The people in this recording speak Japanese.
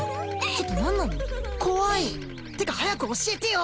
ちょっと何なの怖いてか早く教えてよ！